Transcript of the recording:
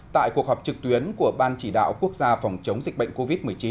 tại cuộc họp trực tuyến của ban chỉ đạo quốc gia phòng chống dịch bệnh covid một mươi chín